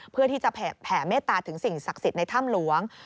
เพื่อที่จะแผ่เมตตาถึงสิ่งศักดิ์สิทธิ์ในถ้ำหลวง